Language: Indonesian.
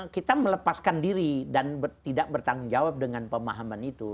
kita melepaskan diri dan tidak bertanggung jawab dengan pemahaman itu